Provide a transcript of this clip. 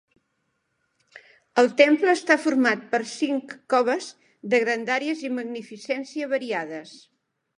El temple està format per cinc coves de grandàries i magnificència variades.